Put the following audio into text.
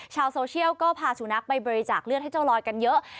ชาวโซเชียลก็พาสุนัขไปบริจาคเลือดให้เจ้าลอยกันเยอะ